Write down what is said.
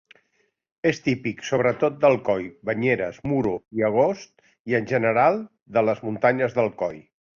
És típic sobretot d'Alcoi, Banyeres, Muro i Agost i en general de les muntanyes d'Alcoi.